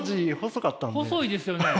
細いですよね？